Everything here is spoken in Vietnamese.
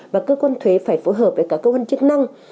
và cơ quan thuế phải phối hợp với các cơ quan chức năng